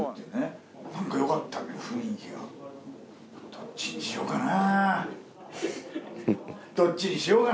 どっちにしようかな？